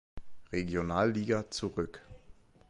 Regionalliga zurück.